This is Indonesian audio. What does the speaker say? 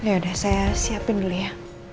yaudah saya siapin dulu ya